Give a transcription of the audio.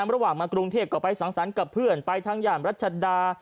ระหว่างมากรุงเทพก็ไปสังสรรค์กับเพื่อนไปทางย่านรัชดา